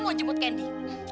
mama mau jemput kendi